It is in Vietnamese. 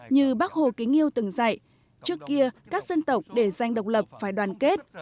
như bác hồ kính yêu từng dạy trước kia các dân tộc để danh độc lập phải đoàn kết